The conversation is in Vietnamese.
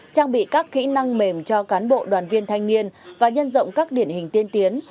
trang bị các kỹ năng mềm cho cán bộ đoàn viên thanh niên và nhân rộng các điển hình tiên tiến